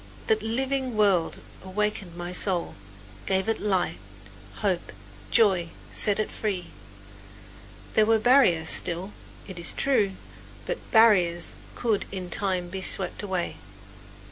That living word awakened my soul, gave it light, hope, joy, set it free! There were barriers still, it is true, but barriers that could in time be swept away.